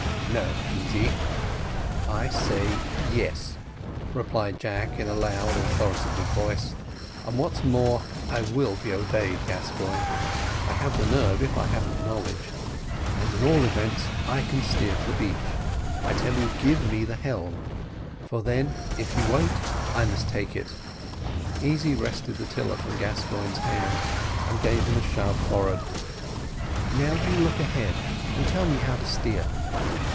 "No, no, Easy." "I say yes," replied Jack, in a loud, authoritative tone, "and what's more, I will be obeyed, Gascoigne. I have nerve, if I haven't knowledge, and at all events I can steer for the beach. I tell you, give me the helm. Well, then, if you won't I must take it." Easy wrested the tiller from Gascoigne's hand, and gave him a shove forward. "Now do you look out ahead, and tell me how to steer."